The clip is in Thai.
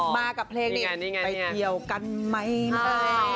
มากับเพลงไปเตียวกันมั้ยนะ